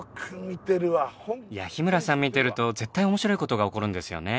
いやあ日村さん見てると絶対面白い事が起こるんですよね。